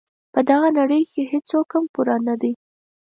په دغه نړۍ کې هیڅوک هم پوره نه دي.